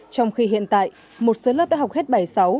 trong khi hiện tại một số lớp đã học hết bảy sáu